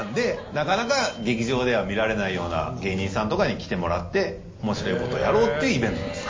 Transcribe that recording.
なかなか劇場では見られないような芸人さんとかに来てもらって面白いことやろうっていうイベントなんです。